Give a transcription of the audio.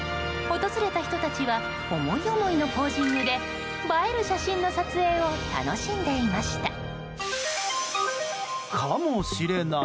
訪れた人たちは思い思いのポージングで映える写真の撮影を楽しんでいました。